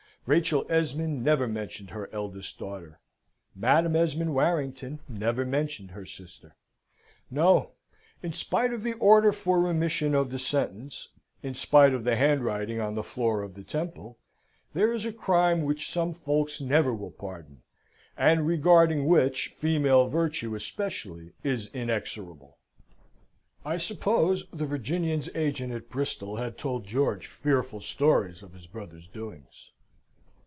Rachel Esmond never mentioned her eldest daughter: Madam Esmond Warrington never mentioned her sister. No. In spite of the order for remission of the sentence in spite of the handwriting on the floor of the Temple there is a crime which some folks never will pardon, and regarding which female virtue, especially, is inexorable. I suppose the Virginians' agent at Bristol had told George fearful stories of his brother's doings.